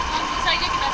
jadi kita harus berharap